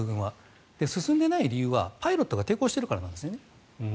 その理由はパイロットが抵抗しているからなんです。